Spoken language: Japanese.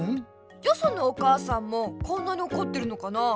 よそのお母さんもこんなにおこってるのかなあ？